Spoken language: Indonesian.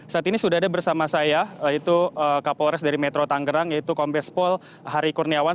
saat ini sudah ada bersama saya itu kapolres dari metro tangerang yaitu kombespol hari kurniawan